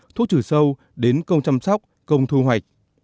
thuốc trừ sâu đến công chăm sóc công thu hoạch